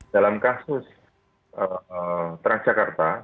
dalam kasus ee transjakarta